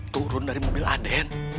turun dari mobil aden